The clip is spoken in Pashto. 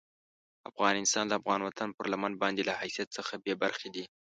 افغان انسان د افغان وطن پر لمن باندې له حیثیت څخه بې برخې دي.